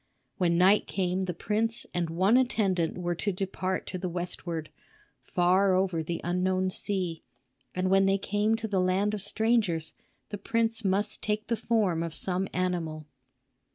When night came the prince and one attendant were to depart to the westward, far over the unknown sea; and when they came to the land of strangers, the prince must take the form of some animal.